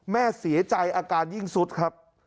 แม่เสียใจอาการยิ่งสุดครับ